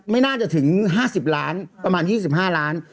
ไม่น่าจะถึง๕๐ล้านประมาณ๒๕ล้าน